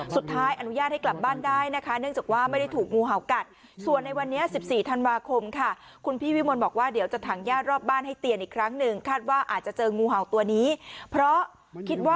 สุดท้ายอนุญาตให้กลับบ้านได้นะคะเนื่องจากว่าไม่ได้ถูกงูเห่ากัด